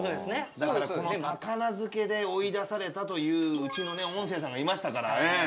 だからこのたかな漬けで追い出されたといううちの音声さんがいましたから。